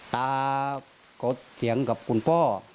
ตาก็เตียงกับคุณพ่อ